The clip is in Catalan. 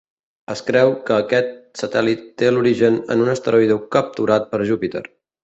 Es creu que aquest satèl·lit té l'origen en un asteroide capturat per Júpiter.